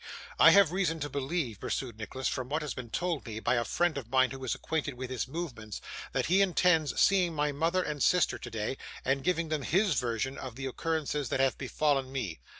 'I have reason to believe,' pursued Nicholas, 'from what has been told me, by a friend of mine who is acquainted with his movements, that he intends seeing my mother and sister today, and giving them his version of the occurrences that have befallen me.